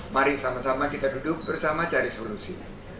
mari sama sama kita duduk bersama cari solusi